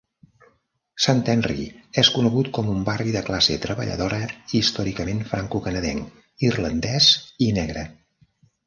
Sant-Henri és conegut com un barri de classe treballadora històricament francocanadenc, irlandès i negre.